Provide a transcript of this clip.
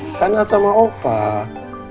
nggak sama opah